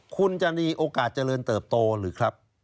คุณจะมีโอกาสเจริญเติบโตหรือครับ